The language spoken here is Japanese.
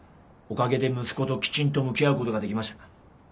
おかげで息子ときちんと向き合うことができました。